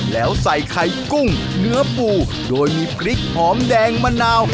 แล้วใส่ไข่กุ้งเนื้อปูโดยมีพริกหอมแดงมะนาว